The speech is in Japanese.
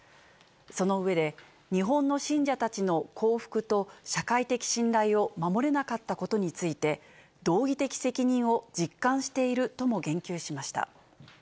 その上で、日本の信者たちの幸福と社会的信頼を守れなかったことについて、道義的責任を実感しているとも言及しました。